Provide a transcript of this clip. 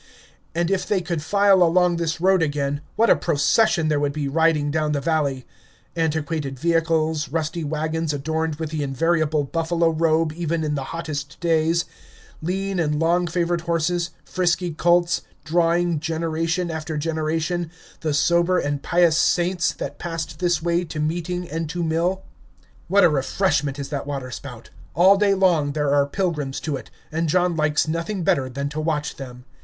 And if they could file along this road again, what a procession there would be riding down the valley! antiquated vehicles, rusty wagons adorned with the invariable buffalo robe even in the hottest days, lean and long favored horses, frisky colts, drawing, generation after generation, the sober and pious saints, that passed this way to meeting and to mill. What a refreshment is that water spout! All day long there are pilgrims to it, and John likes nothing better than to watch them.